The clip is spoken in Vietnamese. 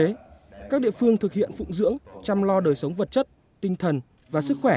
đấy các địa phương thực hiện phụng dưỡng chăm lo đời sống vật chất tinh thần và sức khỏe